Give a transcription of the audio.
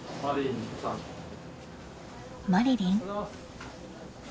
マリリン？